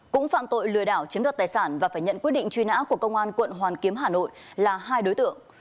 cũng phạm tội lừa đảo chiếm đoạt tài sản và phải nhận quyết định truy nã của công an quận hoàn kiếm hà nội là hai đối tượng